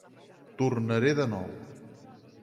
Tornaré de nou.